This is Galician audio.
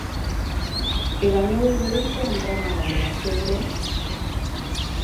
E gañou o dereito a entrar na aula, pero...